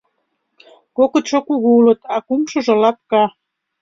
Кокытшо кугу улыт, а кумшыжо лапка.